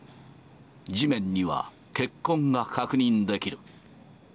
地面には、血痕が確認できる。